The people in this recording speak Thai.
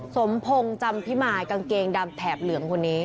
สมพงศ์จำพิมายกางเกงดำแถบเหลืองคนนี้